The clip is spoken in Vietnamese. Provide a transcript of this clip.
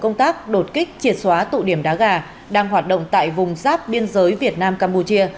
công tác đột kích triệt xóa tụ điểm đá gà đang hoạt động tại vùng giáp biên giới việt nam campuchia